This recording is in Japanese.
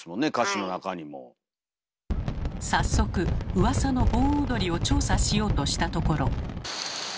早速うわさの盆踊りを調査しようとしたところ。